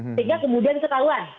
sehingga kemudian ketahuan